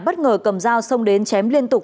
bất ngờ cầm dao xông đến chém liên tục